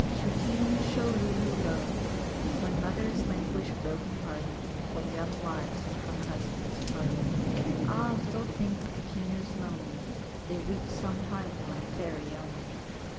Shuheen, sho, lulo lo! When mothers languish broken hearted, When young wives are from husbands parted, Ah! little think the keeners lonely, They weep some time worn fairy only.